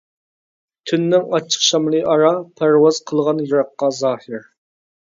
تۈننىڭ ئاچچىق شامىلى ئارا، پەرۋاز قىلغان يىراققا زاھىر.